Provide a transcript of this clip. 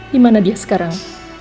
dimana dia sekarang